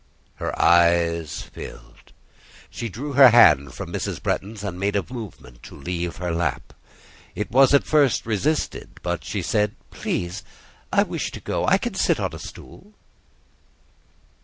Her eyes filled. She drew her hand from Mrs. Bretton's and made a movement to leave her lap; it was at first resisted, but she said—"Please, I wish to go: I can sit on a stool."